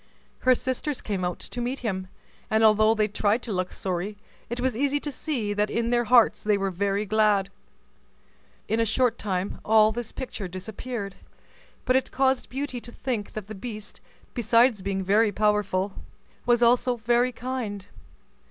Her sisters came out to meet him, and although they tried to look sorry, it was easy to see that in their hearts they were very glad. In a short time all this picture disappeared, but it caused Beauty to think that the beast, besides being very powerful, was also very kind.